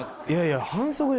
いやいや、